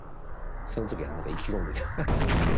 その時はまだ意気込んでた。